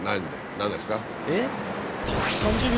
何ですか？